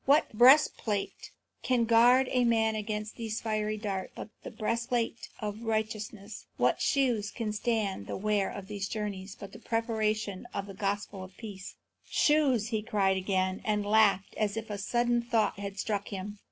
What breastplate can guard a man against these fiery darts but the breastplate of righteousness? What shoes can stand the wear of these journeys but the preparation of the gospel of peace?" "Shoes?" he cried again, and laughed as if a sudden thought had struck him.